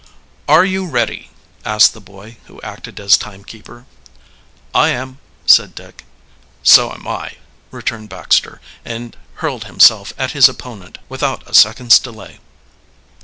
"Are you ready?" asked the boy who acted as timekeeper. "I am," said Dick. "So am I," returned Baxter, and hurled himself at his opponent without a second's delay.